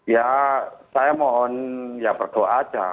ya saya mohon ya berdoa aja